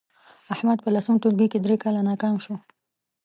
احمد په لسم ټولگي کې درې کاله ناکام شو